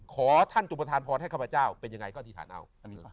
ขอท่านจุประธานพรให้ข้าพเจ้าเป็นยังไงก็อธิษฐานเอา